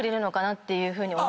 ていうふうに。